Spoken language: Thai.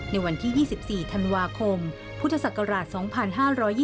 ในวันที่๒๔ธันวาคมพุทธศักราช๒๕๒๒